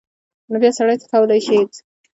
نو بیا سړی څه کولی شي هېڅ.